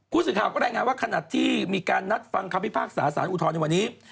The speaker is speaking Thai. ผู้สื่อข่าวก็รายงานว่าขณะที่มีการนัดฟังคำพิพากษาสารอุทธรณ์ในวันนี้